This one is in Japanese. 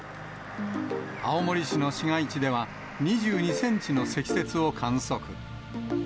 青森市の市街地では、２２センチの積雪を観測。